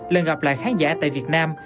lần gặp lại khán giả tại việt nam